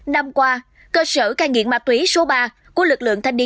năm qua cơ sở cai nghiện ma túy số ba của lực lượng thanh niên